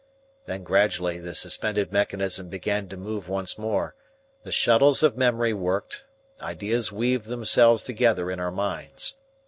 Then gradually the suspended mechanism began to move once more; the shuttles of memory worked; ideas weaved themselves together in our minds.